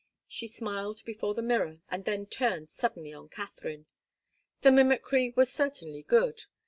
She smiled before the mirror and then turned suddenly on Katharine. The mimicry was certainly good.